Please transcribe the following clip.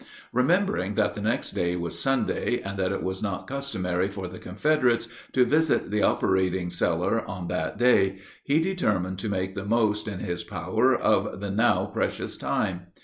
Remembering that the next day was Sunday, and that it was not customary for the Confederates to visit the operating cellar on that day, he determined to make the most in his power of the now precious time.